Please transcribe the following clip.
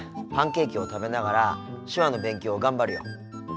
パンケーキを食べながら手話の勉強を頑張るよ！